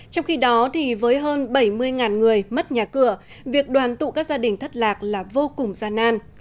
trong khi đó với hơn bảy mươi người mất nhà cửa việc đoàn tụ các gia đình thất lạc là vô cùng gian nan